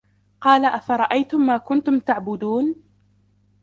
قال أفرأيتم ما كنتم تعبدون